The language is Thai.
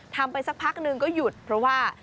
ไปสักพักหนึ่งก็หยุดเพราะว่า